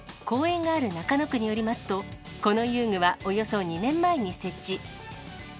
公園がある中野区によりますと、この遊具はおよそ２年前に設置。